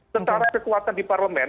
tentara kekuatan di parlemen